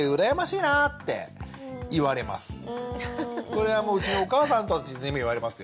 これはうちのお母さんたちにも言われますよ。